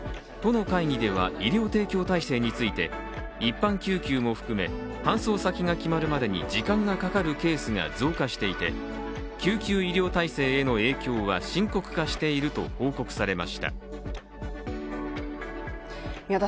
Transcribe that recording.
都の会議では医療提供体制について、一般救急も含め、搬送先が決まるまでに時間がかかるケースが増加していて救急医療体制への影響は深刻化していると報告されました。